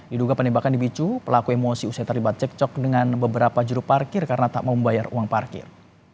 diduga penembakan dibicu pelaku emosi usai terlibat cekcok dengan beberapa juru parkir karena tak mau membayar uang parkir